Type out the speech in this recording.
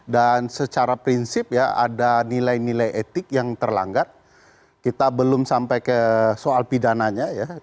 dan secara prinsip ada nilai nilai etik yang terlanggar kita belum sampai ke soal pidananya